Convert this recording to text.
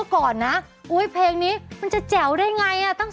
๓๐พอ๓๐จ๋าวนะฮะจ๋าวจริง